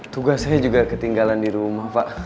tugas saya juga ketinggalan di rumah pak